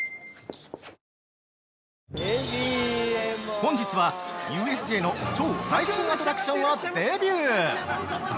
◆本日は、ＵＳＪの超最新アトラクションをデビュー！